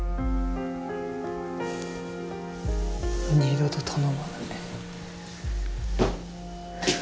二度と頼まない。